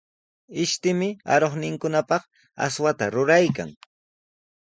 Ishtimi aruqninkunapaq aswata ruraykan.